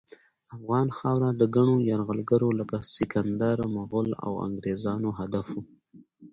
افغان خاوره د ګڼو یرغلګرو لکه سکندر، مغل، او انګریزانو هدف وه.